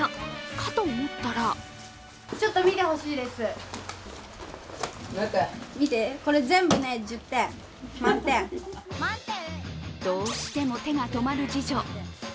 かと思ったらどうしても手が止まる次女。